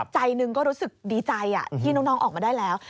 ใจหนึ่งก็รู้สึกดีใจที่น้องออกมาได้แล้ว